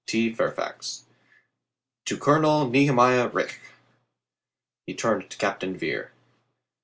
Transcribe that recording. T. Fairfax. To Colonel Nehemiah Rich. He turned to Captain Vere.